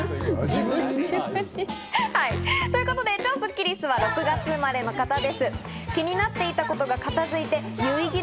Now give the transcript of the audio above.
自分に？ということで超スッキりすは６月生まれの方です。